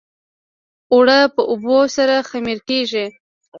اوړه په اوبو سره خمیر کېږي